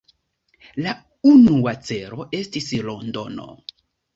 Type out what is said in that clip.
La unua celo estis Londono.